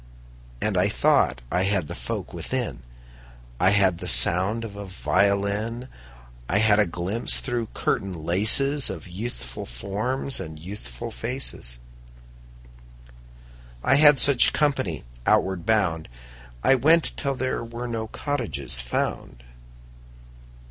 And I thought I had the folk within: I had the sound of a violin; I had a glimpse through curtain laces Of youthful forms and youthful faces. I had such company outward bound. I went till there were no cottages found.